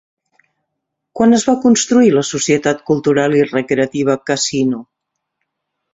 Quan es va construir la Societat Cultural i Recreativa Casino?